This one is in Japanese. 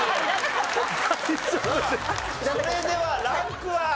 それではランクは？